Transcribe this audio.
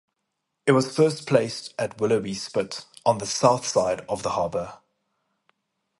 It was first placed at Willoughby Spit, on the south side of the harbor.